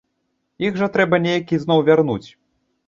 Іх жа трэба неяк ізноў вярнуць.